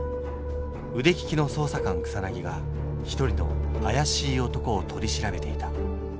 腕利きの捜査官草が一人の怪しい男を取り調べていた